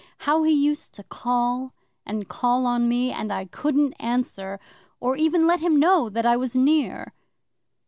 How he used to call and call on me, and I couldn't answer, or even let him know that I was near!